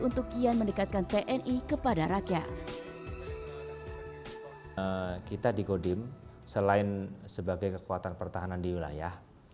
untuk kian mendekatkan tni kepada rakyat kita di kodim selain sebagai kekuatan pertahanan di wilayah